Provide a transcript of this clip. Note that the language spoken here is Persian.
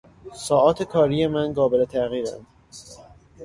ساعات کار من قابل تغییراند.